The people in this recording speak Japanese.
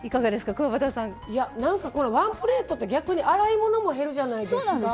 いやワンプレートって逆に洗い物も減るじゃないですか。